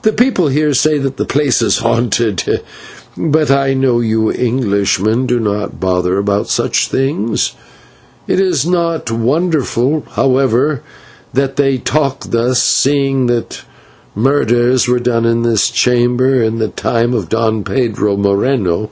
The people here say that the place is haunted, but I know you Englishmen do not bother about such things. It is not wonderful, however, that they talk thus, seeing that murders were done in this chamber in the time of Don Pedro Moreno.